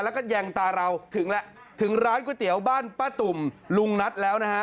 แล้วก็แยงตาเราถึงแล้วถึงร้านก๋วยเตี๋ยวบ้านป้าตุ่มลุงนัทแล้วนะฮะ